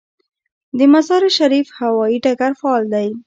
د مزار شریف هوايي ډګر فعال دی